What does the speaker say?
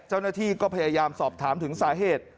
เจ้าหน้าที่ก็พยายามสอบถามถึงสาเหตุ